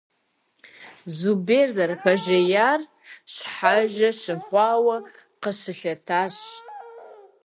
Зубер, зэрыхэжеяр щхьэжэ щыхъуауэ, къыщылъэтащ.